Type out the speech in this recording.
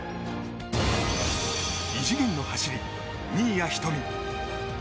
異次元の走り、新谷仁美。